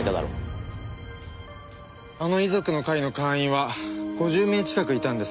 あの遺族の会の会員は５０名近くいたんです。